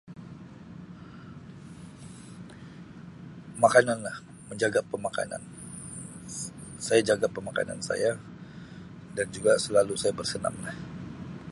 Makanan lah, menjaga pemakanan. Saya jaga pemakanan saya dan juga selalu saya bersenam